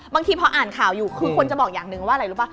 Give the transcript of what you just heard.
บางทีพออ่านข่าวอยู่คือคนจะบอกอย่างหนึ่งว่าอะไรรู้ป่